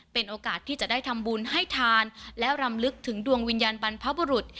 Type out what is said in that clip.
เป็นโอกาสที่จะได้ทำบุญให้ทานและรำลึกถึงดวงวิญญาณบรรพบุรุษ